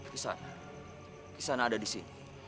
kisana kisana ada di sini